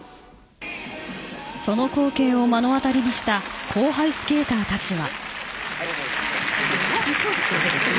その光景を目の当りにした後輩スケーターたちは。